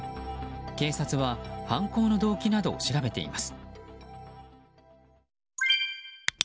警察は犯行の動機などを調べています。